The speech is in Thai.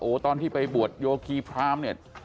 ตอนที่ไปบวชโยคีพรามเนี่ย